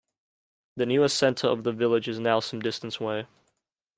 The newer centre of the village is now some distance away.